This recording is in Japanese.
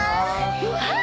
うわっ！